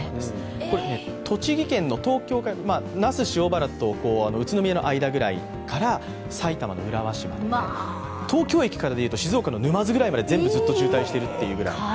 これ栃木県の那須塩原と宇都宮の間くらいから埼玉の浦和市まで、東京駅からでいうと静岡の沼津ぐらいまで全部ずっと渋滞してるってぐらい。